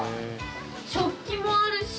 食器もあるし。